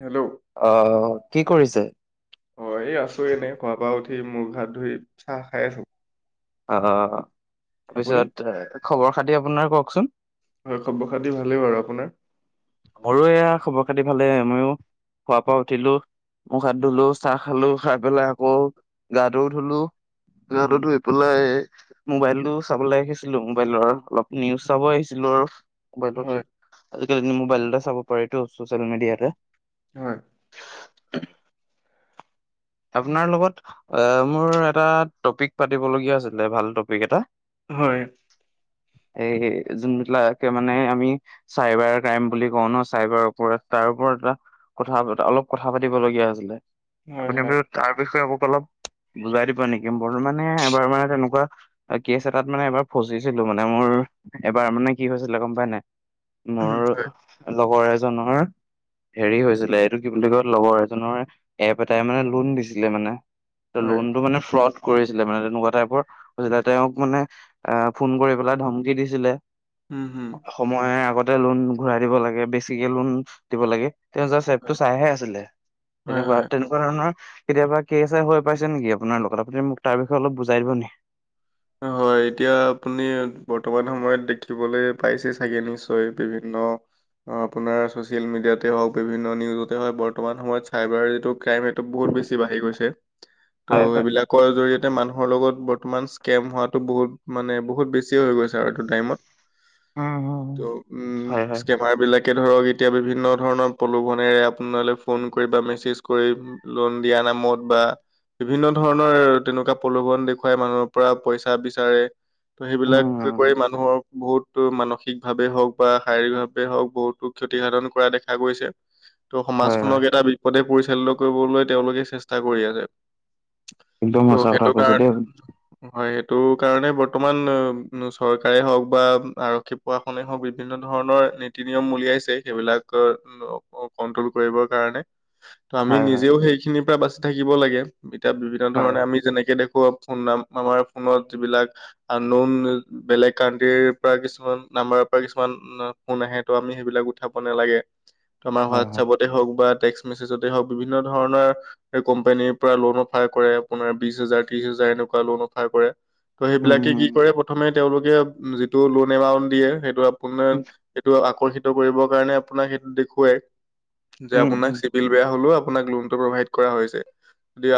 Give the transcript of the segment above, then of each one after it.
Hello অ কি কৰিছে অ এই আছো এনেই শুৱা পা উঠি মুখ হাত ধুই চাহ খাই আছো অ আপুনি তাৰপিছত খবৰ খাতি আপোনাৰ কওঁকচোন হয় খব খাতি ভালেই বাৰু আপোনাৰ মৰো এয়া খবৰ খাতি ভালে ময়ো শুৱা পা উঠিলো মুখ হাত ধুলো হয় চাহ খালো খাই পেলাই আকৌ গাটোও ধুলো উম গাটোতো ধুই বোলে মোবাইলটো চাবলৈ আহিছিলো মোবাইলৰ অলপ নিউজ চাব আহিছিলো আৰু বাইকত হয় আজি কালিটো মোবাইলটে চাব পাৰিতো চচিয়েল মিডিয়াতে হয় আপোনাৰ লগত অ মোৰ এটা টপিক পাতিবলগীয়া আছিলে ভাল টপিক এটা হয় এই যোনবিলাকে মানে আমি চাইবাৰ ক্ৰাইম বুলি কওঁ ন চাইবাৰৰ ওপৰত তাৰ ওপৰত এটা কথা অলপ কথা পাতিবলগীয়া আছিলে হয় আপুনি হয় তাৰ বিষয়ে মোক অলপ বুজাই দিব নিকি বৰ্ মানে এবাৰ মানে তেনেকুৱা কেছ এটাত মানে এবাৰ ফচিছিলো মানে মোৰ এবাৰ মানে কি হৈছিলে গম পাই নাই মোৰ উম হয় লগৰ এজনৰ হেৰি হৈছিলে এইটো কি বুলি কয় লগৰ এজনৰ এপ এটাই মানে লোন দিছিলে মানে ত হয় লোনতটো মানে ফ্ৰড কৰিছিলে মানে তেনেকুৱা টাইপৰ হৈছিলে তেওঁক মানে এহ ফোন কৰি পেলাই ধমকি দিছিলে উম হুম সময়ে আগতে লোন ঘূৰাই দিব লাগে বেছিকে লোন দিব লাগে তেওঁ যে চেপটো চাইহে হয় তেনেকুৱা হয় তেনেকুৱা ধৰণৰ কেতিয়াবা কেচ এ হৈ পাইছে নিকি আপোনাৰ লগত আপুনি মোক তাৰ বিষয়ে অলপ বুজাই দিব নি হয় এতিয়া আপুনি বৰ্তমান সময়ত দেখিবলৈ পাইছে চাগে নিশ্চয় বিভিন্ন অ আপোনাৰ চচিয়েল মিডিয়াতে হওক বিভিন্ন নিউজতে হয় বৰ্তমান সময়ত চাইবাৰ যিটো ক্ৰাইম এইটো বহুত বেছি বাঢ়ি গৈছে হয় ত' হয় এইবিলাকৰ জৰি়য়তে মানুহৰ লগত বৰ্তমান স্কেম হোৱাতো বহুত মানে বহুত বেছিয়ে হৈ গৈছে তাৰ এইটো টাইমত উম উম ত উম হয় হয় স্কেমাৰ বিলাক তাকে ধৰক এতিয়া বিভিন্ন ধৰণৰ প্ৰলোভনেৰে আপোনালৈ ফোন কৰি বা মেছেজ কৰি লোন দিয়া নামত বা বিভিন্ন ধৰণৰ তেনেকুৱা প্ৰলোভন দেখুৱাই মানুহৰ পৰা পইচা বিচাৰে ত' উম সেইবিলাক উম কৰি মানুহৰ বহুতো মানসিক ভাৱে হওক বা শাৰীৰিক ভাৱে হওক বহুতো ক্ষতিসাধন কৰা দেখা গৈছে ত' হয় হয় সমাজখনক এটা বিপদে পৰিচালিত কৰিবলৈ তেওঁলোকে চেষ্টা কৰি আছে একদম ত' সঁচা কথা সেইটো কৈছোঁ কাৰণ দে। হয় এইটো কাৰণে বৰ্তমান চৰকাৰে হওক বা আৰক্ষী [unintelligible] হও বিভিন্ন ধৰণৰ নীতি-নিয়ম উলিয়াইছে সেইবিলাক [unintelligible] কন্ট্ৰল কৰিবৰ কাৰণে ত' আমি হয় হয় নিজেও সেইখিনিৰ পৰা বাচি থাকিব লাগে এতিয়া বিভিন্ন হয় ধৰণে আমি যেনেকে দেখো ফোন নাম আমাৰ ফোনত যিবিলাক আন নৌন বেলেগ কানট্ৰিৰ পৰা কিছুমান নাম্বাৰৰ পৰা কিছুমান ফোন আহে ত' আমি সেইবিলাক উঠাব নেলাগে ত' আমাৰ হয় হয় হোৱাটছপত তে হওক টেক্স মেছেজতে হওক বিভিন্ন ধৰণৰ এ কোম্পানীৰ পৰা লোন অফাৰ কৰে আপোনাৰ বিছ হাজাৰ, ত্ৰিছ হাজাৰ এনেক কোৱা লোন অফাৰ কৰে ত' উম সেইবিলাকে কি উম কৰে প্ৰথমে তেওঁলোকে যিটো লোন এমাউণ্ট দিয়ে সেইটো আপোনাৰ এইটো আকৰ্ষিত কৰিব কাৰণে আপোনাক সেইটো দেখুৱাই যে উম আপোনাক উম বিল বেয়া হলেওঁ আপোনাক লোনটো প্ৰভাইট কৰা হৈছে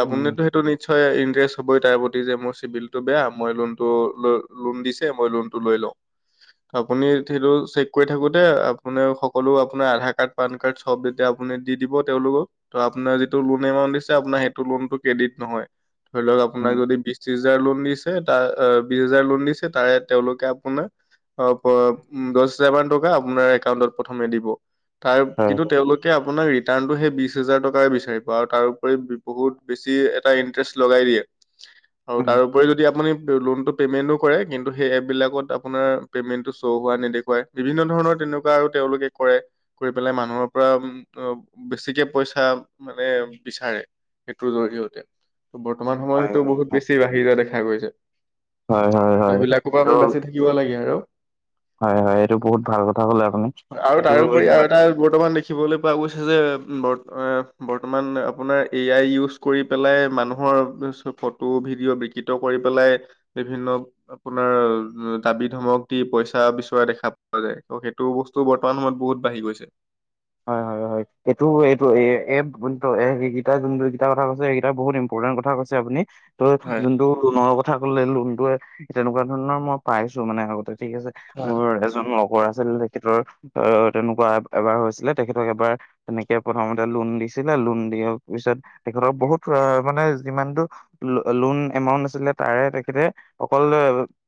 উম উম আপুনিতো সিটো নিচ্ছয় ইন্তেৰেষ্ট হবই দি যে মোৰ চিভিলটো বেয়া মই লোনটো ল- লোন দিছে মই লোনটো লৈ লওঁ। ত'আপুনিত সেইটো চেক কৰি থাকো তে আপুনাৰ সকলো আপোনাৰ আধাৰ কাৰ্ড পান কাৰ্ড চব যেতিয়া আপুনি দি দিব তেওঁলোকক ত' আপোনাৰ যিটো লোন এমাউন্ট দিছে আপোনাৰ সেইটো লোনটো ক্ৰেডিট নহয় ধৰি লওক উম আপোনাক উম যদি ত্ৰিছ হাজাৰ লোন দিছে তাৰ আহ বিছ হাজাৰ লোন দিছে তাৰে তেওঁলোকে আপোনা [unintelligible] দছ হাজাৰ মান টকা আপোনাৰ একাউটত প্ৰথমে দিব তাৰ হয় কিন্তু তেওঁলোক তে আপোনাক ৰিটাৰ্ণটো সেই বিছ হেজাৰ টকায়ে বিচাৰিব আৰু তাৰোউপৰি বহুত বেছি এটা ইণ্টাৰেষ্ট লগাই দিয়ে। আৰু উম তাৰ উপৰি যদি আপুনি লোন টো পেমেন্টো কৰে কিন্তু সেই এপ বিলাকত আপোনাৰ পেমেণ্টো শ্ব' হোৱা নেদখুৱাই। বিভিন্ন ধৰণৰ তেনেকুৱা আৰু তেওঁলোকে কৰে। কৰি পেলাই মানুহৰ পৰা বেছিকে পইচা মানে বিচাৰে। সেইটোৰ জৰিয়তে ত' বৰ্তমান সময় হয় সেইটো হয় বহুত বেছি বাঢ়ি যোৱা দেখা গৈছে। হয় হয় হয় হয় ত'সেইবিলাকৰ পৰা আমি ত' বাচি থাকিব লাগে আৰু। হয়, হয় এইটো বহুত ভাল কথা কলে আপুনি আৰু এইটো তাৰোপৰি আৰু এনেকুৱা এটা বৰ্তমান দেখিবলৈ পোৱা গৈছে যে [unintelligible] বৰ্তমান আপোনাৰ এ আই ইউজ কৰি পেলাই মানুহৰ ফটো ভিডিঅ বিকৃত কৰি পেলাই বিভিন্ন আপোনাৰ দাবি ধমক দি পইচা বিচৰা দেখা পোৱা যায় ত'সেইটো বচ তো বৰ্তমান সময়ত বহুত বাঢ়ি গৈছে। হয়, হয়, হয়। হয় এইটো, এইটো [unintelligible] এইকেটা যোনটো এইকেইটা কথা কৈছে এইকেইটা বহুত ইম্পৰ্টেন্ট কথা কৈছে আপুনি ত' হয় যোনটো লোনৰ কথা ক'লে লোনটোৱে তেনেকুৱা ধৰণৰ মই পাইছো মানে আগতে ঠিক আছে। হয় মোৰ এজন লগৰ আছিল তেখেতৰ অ' তেনেকুৱা এবাৰ হৈছিলে তেখেতক এবাৰ তেনেকে প্ৰথমতে লোন দিছিলে লোন দিয়াৰ পিছত তেখেতক বহুত মানে যিমানটো ল-লোন এমাউন্ট আছিলে তাৰে তেখেতে অকল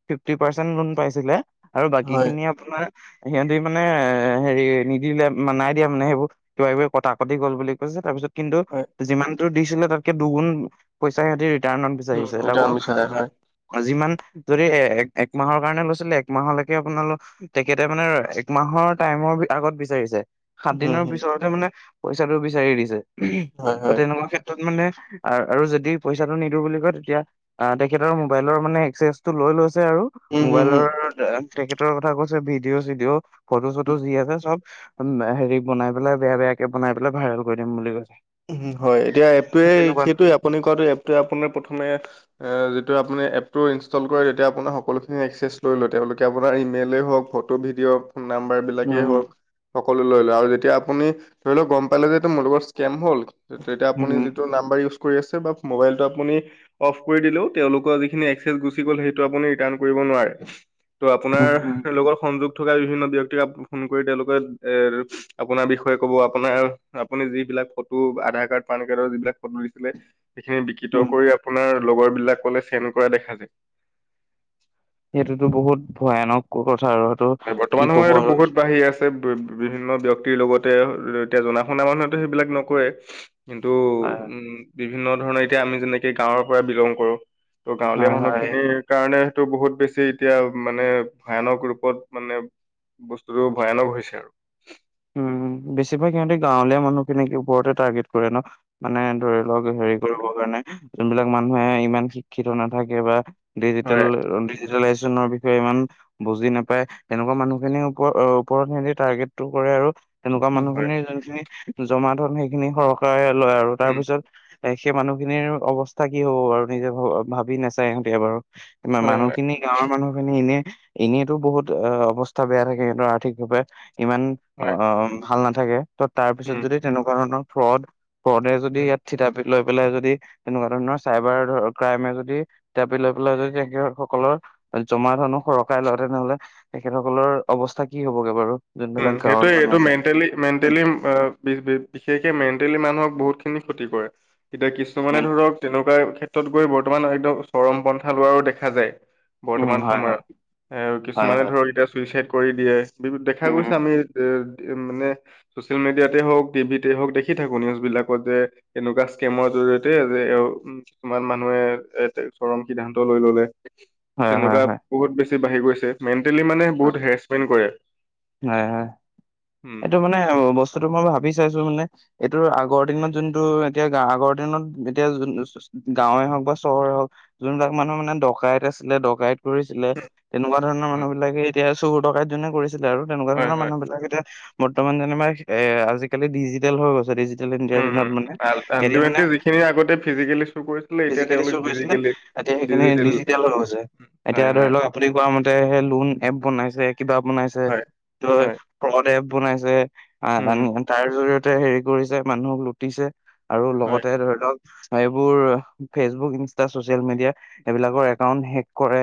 ফিফটি পাৰ্চেণ্ট লোন পাইছিলে। আৰু বাকী হয় খিনি আপোনাৰ সিহতি মানে এ হেৰি নিদিলে নাই দিয়া মানে সেইবোৰ কিবা-কিবি কটা কটি গ'ল বুলি কৈছে, তাৰপিছত কিন্তু হয় যিমান টো দিছিলে তাতকে দুগুন পইচা সিহঁতি ৰিটাৰ্ণত উম, বিচাৰিছে এইটো তাকো আমি চাই হয় যিমান যদি এ- একমাহৰ কাৰণে লৈছিলে একমাহলৈকে আপোনালোক তেখেতে মানে একমাহৰ টাইমৰ আগত বিচাৰিছে। সাত উম দিনৰ উম পিছতহে মানে পইচাটো বিচাৰি দিছে ত' তেনেকুৱা ক্ষেত ত কি মানে আৰু যদি পইচাটো নিদিওঁ বুলি কয়, তেতিয়া - অ', তেখেতৰ মোবাইলৰ মানে এক্সেছটো লৈ লৈছে আৰু - হম হম মোবাইলৰ তেখেতৰ কথা কৈছে, ভিডিঅ'-চিডিঅ' ফটো-চটো যি আছে চব - উম, হেৰি বনাই পেলাই বেয়া-বেয়াকে বনাই পেলাই ভাইৰেল কৰি দিম বুলি কৈছে। উম, হয়, এতিয়া এপটোৱে তেনেকুৱা সেইটোৱে আপুনি কোৱাটো এপটোৱে আপোনাৰ প্ৰথমে - এ যিটো আপুনি এপটো ইনষ্টল কৰে তেতিয়া আপোনাৰ সকলোখিনি এক্সেছ লৈ লয়, তেওঁলোকে আপোনাৰ ইমেইলে হক ফ টো ভিডিঅ', ফোন নাম্বাৰটো - বিলাকেই উম হওক, সকলো লৈ লয়, আৰু যেতিয়া আপুনি ধৰি লওক গম পালে যে এইটো মোৰ লগত স্কেম হ'ল - টো তেতিয়া উম আপুনি উম যিটো নাম্বাৰ ইউজ কৰি আছে বা মোবাইলটো আপুনি - অফ কৰি দিলেও তেওঁলোকৰ যিখিনি এক্সেচ গল হেইটো আপুনি ৰিটান কৰিব নোৱাৰে। ত' উম আপোনাৰ উম লগত সংযোগ - থকা বিভিন্ন ব্যক্তিকে ফোন কৰি তেওঁলোকে এ আপোনাৰ বিষয়ে ক'ব, আপোনাৰ আপুনি যিবিলাক - ফটো আধাৰ কাৰ্ড, পান কাৰ্ডৰ যিবিলাক ফটো দিছিলে, সেইখিনি বিকৃত উম কৰি আপোনাৰ লগৰ বিলাকলে - চেণ্ কৰা দেখা যায়। সেইটোতো বহুত ভয়ানক কথা আৰু। কি বৰ্তমান কব সময়ত এটো আৰু বহুত বাঢ়ি আছে। ত বিভিন্ন ব্যক্তিৰ লগতে, এতিয়া জনা শুনা মানুহেতো সেইবিলাক নকৰে। কিন্তু হয় উম, বিভিন্ন ধৰণৰ এতিয়া আমি যেনেকে গাঁৱৰ পৰা বিলং কৰো। ত' গাঁৱলীয়া হয় হয় মানুহখিনিৰ কাৰণে সেইটো বহুত বেছি এতিয়া মানে ভয়ানক ৰূপত - মানে বস্তুটো ভয়ানক হৈছে আৰু। উম, বেছিভাগ সিহঁতি গাঁৱলীয়া মানুহখিনিকে ওপৰতে টাৰ্গেট কৰে ন'। মানে ধৰি লওক হেৰি কৰিবৰ কাৰণে যোনবিলাক মানুহে ইমান শিক্ষিত নাথাকে, বা - ডিজিটেল হয় ডিজ - ডিজিটেলাইচেনৰ বিষয়ে ইমান বুজি নেপাই, এনেকুৱা মানুহখিনিৰ ওপৰ ওপৰত সিহঁতি টাৰ্গেট টো - কৰে আৰু সেনেকুৱা হয় মানুহখিনিৰ যোনখিনি জমা দন সেইখিনি সৰ কাই লয় আৰু, তাৰ উম পিছত - এ সেই মানুহ খিনিৰ অৱস্থা কি হব বাৰু নিজে ভাবি নাচায় সিহঁতে এবাৰু। হয় হয় মানুহখিনি গাঁৱৰ মানুহখিনি এনেই - এনেইতো বহুত অৱস্থা বেয়া থাকে সিহঁতৰ আৰ্থিকভাৱে, ইমান অ হয় - ভাল নাথাকে, ত তাৰ পিছত উম যদি তেনেকুৱা ধৰণৰ ফ্ৰড, ফ্ৰডে যদি উম ইয়াত থিতাপি - লৈ পেলাই যদি, তেনেকুৱা ধৰণৰ চাইবাৰ ক্ৰাইমে যদি - থিতাপি লৈ পেলাই যদি তেখেতসকলৰ, জমা ধনো সৰকাই লয় তেনেহলে - তেখেতসকলৰ অৱস্থা কি হবগে বাৰু, যোনবিলাক - ত এইটো মেণ্টেলি মেণ্টেলি বি বি বিশেষকে মেণ্টেলি মানুহক বহুত খিনি ক্ষতি কৰে। এতিয়া কিছুমানে ধৰক তেনেকুৱা ক্ষেত্ৰত গৈ বৰ্তমান একদম চৰম পন্থা লোৱাৰো দেখা যায়। উম, বৰ্তমান হয়, হয়, সময়ত। এ হয়, কিছুমানে হয়, ধৰক এতিয়া চুইচাইদ কৰি দিয়ে, বিভি দেখা উম, গৈছে আমি এ মানে - চচিয়েল মিডিয়াতেই হওক টিভিতে হওক দেখি থাকো নিউজ বিলাকত যে - এনেকুৱা স্ক্ৰেমৰ জৰিয়তে যে অ উম - কিছুমান মানুহে এ চৰম সিদ্ধান্ত লৈ ললে। হয়, হয়, তেনেকুৱা হয়, বহুত বেছি বাঢ়ি গৈছে, মেণ্টেলি মানে বহুত হেৰেছমেণ্ট কৰে। হয় হয়, উম এইটো মানে বস্তুটো মই ভাবি চাইছো মানে - এইটো আগৰ দিনত যোনটো এতিয়া গাওঁ আগৰ দিনত এতিয়া যোন - গাঁৱে হওক বা চহৰে হওক, যোনবিলাক মানুহে মানে ডকাইত আছিলে ডকাইত কৰিছিলে - তেনেকুৱা ধৰণৰ হয় মানুহবিলাকে এতিয়া চুৰ ডকাই যোনে কৰিছিলে আৰু তেনেকুৱা হয় ধৰণৰ হয়। মানুহবিলাক এতিয়া - বৰ্তমান যেনিবা এ আজিকালি ডিজিটেল হৈ গৈছে, ডিজি টেল ইণ্ডিয়াৰ উম দিনত উম মানে, সিহঁতে মানে, আল্টিমেটলি যিখিনি আগতে ফিজিকেলি শ্ব' কৰিছিলে এতিয়া ফিজিকেলি তেওঁলোক চুৰ কৰিছিলে। ডিজিকেলি এতিয়া সেইখিনি ডিজিটেল হৈ গৈছে, এতিয়া হয় ধৰি হয় লওক আপুনি কৰাৱা ম'তে সেই লোন এপ বনাইছে কিবা বনাইছে, হয় ত' হয় ফ্ৰদ এপ বনাইছে। আহ, উম উম, তাৰ জৰীয়তে হেৰি কৰিছে মানুহক লুটিছে, আৰু হয় লগতে ধৰি লওক এইবোৰ, ফেচবুক, ইনষ্ট্ৰা চচিলয়েমিডিয়াত এইবিলাকৰ একাউণ্ট হেক কৰে,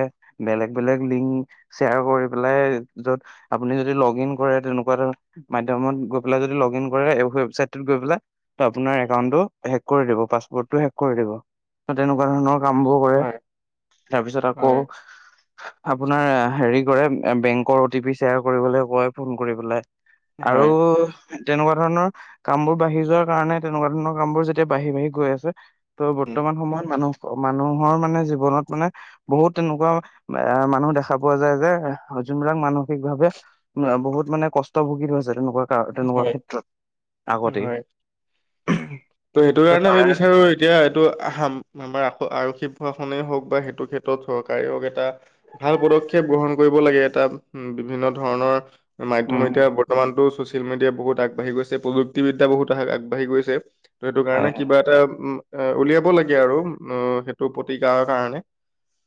বেলেগ বেলেগ লিংক শ্বেয়াৰ কৰি পেলাই য'ত আপুনি যদি লগ ইন কৰে তেনেকুৱা এটা মাধ্যমত গৈ পেলাই, যদি লগ ইন কৰে ৱেবচাইটটোত গৈ পেলাই। ত' আপোনাৰ একাউন্টটো হেক কৰি দিব পাছপোৰ্টটো হেক কৰি দিব, ত' তেনেকুৱা ধৰণৰ কামবোৰ কৰে। হয় তাৰপিছত হয় আকৌ, আপোনাৰ হেৰি কৰে বেংকৰ অ টি পি শ্বেয়াৰ কৰিবলৈ কয়, ফোন কৰি পেলাই, আৰু হয় তেনেকুৱা ধৰণৰ কাম বোৰ বাঢ়ি যোৱাৰ কাৰণে, তেনেকুৱা ধৰণৰ কাম বোৰ যেতিয়া বাঢ়ি বাঢ়ি গৈ আছে। ত' উম বৰ্তমান সময়ত মানুহ মানুহৰ মানে জীৱনত মানে বহুত তেনেকুৱা মানুহ দেখা পোৱা যায় যে, যোনবিলাক মানুহ বিশেষ ভাৱে, বহুত মানে কষ্ট ভুগি থৈছে তেনেকুৱা তেনেকুৱা হয় ক্ষেত্ৰত, আগতেই, হয় সেইটো ত' কাৰণে আমি তাৰ বিচাৰো এতিয়া এইটো আমাৰ আৰক্ষী প্ৰশাসনেই হ'ওক বা সেইটো ক্ষেত্ৰত চৰকাৰেই হ'ওক এটা ভাল পদক্ষেপ গ্ৰহণ কৰিব লাগে এটা উ, বিভিন্ন ধৰণৰ, মাধ্যম উম এতিয়া বৰ্তমানতো ছচিয়েল মিডিয়া বহুত আগবাঢ়ি গৈছে, প্ৰযুক্তিবিদ্যা বহুত আগবাঢ়ি গৈছে, ত' সেইটো হয় কাৰণে কিবা এটা এ উলিয়াব লাগে আৰু উ, সেইটো প্ৰতিকাৰ কাৰণে।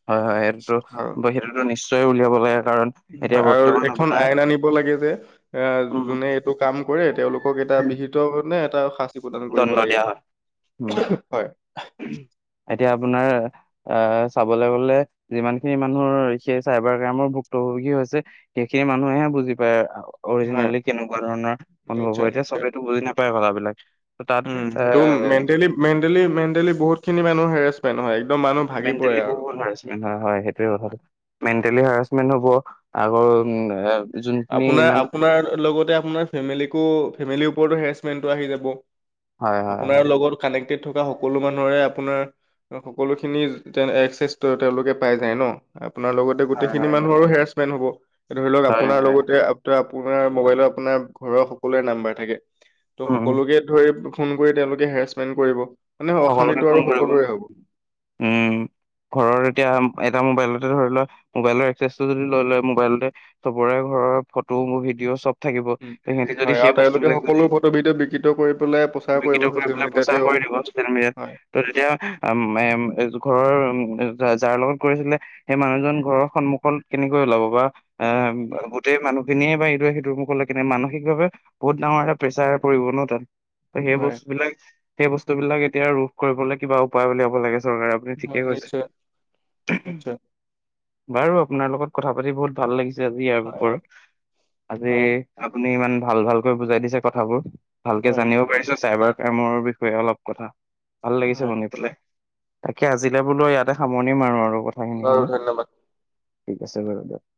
হয় হয় সেইটোতো আৰু বা সেইটোতো নিশ্চয় উলিয়াব লাগে কাৰণ এতিয়া হয়, আৰু বৰ্তমান এখন আপোনাৰ আইন আনিব লাগে যে এ উম যোনে এইটো কাম কৰে তেওঁলোকক এটা বিহিত নে এটা শাস্তি প্ৰদান কৰিব দণ্ড লাগে, দিয়া হয় উম হয়। এতিয়া আপোনাৰ আহ, চাবলৈ গলে, যিমান খিনি মানুহৰ সেই চাইবাৰ ক্ৰাইমৰ ভুক্তভোগী হৈছে। সেইখিনি মানুহেহে বুজি পায়। হয় অৰজিনেলি কেনেকুৱা ধৰণৰ অনুভৱ নিশ্চয় হয়, এতিয়াটো নিশ্চয় চবেটো বুজি নাপায় কথাবিলাক। ত' উম, তাত সেইটো এ মেণ্টেলি মেণ্টেলি, মেণ্টেলি বহুত খিনি মানুহ হেৰেচমেণ্ট হয়। একদম মানুহ ভাগি পৰে মেণ্টেলি আৰু। বহুত হয়, হাৰেচমেন্ট হয়, সেইটোৱে কথাটো, মেণ্টেলি হেৰাচমেন্ট হ'ব। আগৰ উম এ, যোনখিনি আপোনাৰ, ইমান আপোনাৰ লগতে আপোনাৰ ফেমিলিকো ফেমিলি ওপৰতো হেৰেচমেণ্টটো আহি যাব, হয় হয় হয় অপোনাৰ লগত কানেক্টেড থকা সকলো মানুহৰে আপোনাৰ সকলোখিনি, একচেছ তেওঁলোকে পাই যায় ন'। আপোনাৰ লগতে গোটেই হয় খিনি হয় মানুহৰো হেৰাছমেণ্ট হ'ব। ধৰি লওক হয় আপোনাৰ হয় হয় লগতে ত' আপোনাৰ মোবাইলত আপোনাৰ ঘৰৰ সকলোৰে নাম্বাৰ থাকে। ত' উম উম। সকলোকে ধৰি ফোন কৰি তেওঁলোকে হেৰেছমেণ্ট কৰিব। মানে সকলোকে অশান্তিটো ফোন আৰু কৰিব সকলোৰে হ'ব। উম ঘৰৰ এতিয়া এটা মোবাইলতে ধৰি লোৱা মোবাইলৰ এক্সেছটো যদি লৈ লয়। মোবাইলতে চবৰে ঘৰৰ ফটো মোৰ ভিডিঅ' চব থাকিব, উম, ত' সিহঁতি হয় যদি আৰু সেই তেওঁলোকে বস্তুবলাক সকলো যদি ফটোবিধ বিকৃত কৰি পেলাই প্ৰচাৰ কৰিব বিকৃত কৰি ছচিয়েল পেলাই মিডিয়াতে প্ৰচাৰ হওক। কৰি দিব ছচিয়েল মিডিয়াত, হয়, ত' তেতিয়া এ ঘৰৰ উ, যাৰ লগত কৰিছিলে সেই মানুহজন ঘৰৰ সন্মুখত কেনেকৈ ওলাব বা এ উম, উম, গোটেই মানুহখিনিয়ে বা ইটোৱে সিটোৰ মুখলৈ কেনে মানসিকভাৱে বহুত ডাঙৰ এটা প্ৰেছাৰ পৰিব ন' তাত। ত সেই হয়, বস্তুবিলাক সেই বস্তুবিলাক এতিয়া ৰোধ কৰিবলৈ কিবা উপায় উলিয়াব লাগে। দৰকাৰ আপুনি ঠিকেই হয় কৈছে নিশ্চয়, উহ উ। নিশ্চয়, বাৰু আপোনাৰ লগত কথা পাতি বহুত ভাল লাগিছে আজি ইয়াৰ হয়, [unintelligible] আজি হয়, আপুনি ইমান ভাল ভালকৈ বুজাই দিছে কথাবোৰ। ভালকে হয়, জানিব পাৰিছো, চাইবাৰ কামৰ বিষয়ে অলপ কথা ভাল লাগিছে হয়। শুনি পেলাই, তাকে আজিলে বোলো ইয়াতে সামৰণি মাৰো আৰু কথ বাৰু ধন্যবাদ। ঠিক আছে বাৰু দিয়ক।